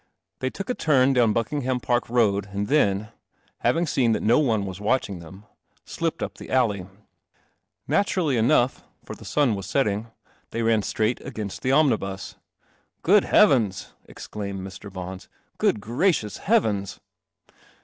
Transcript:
They took a turn down Buckingham Park Road, and then — having seen that no one was watching them — slipped up the alley. Natur ally enough (for the sun was setting) they ran straight against the omnibus. " Good heavens !" exclaimed Mr. Bons. " Good gracious heavens